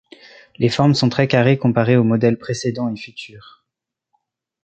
Les formes sont très carrées comparées aux modèles précédents et futurs.